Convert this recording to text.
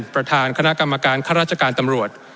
ประธานคณะกรรมการข้าราชการตำรวจ